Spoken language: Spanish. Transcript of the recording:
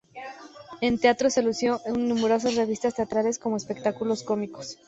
En teatro se lució en numerosas revistas teatrales como en espectáculos cómicos.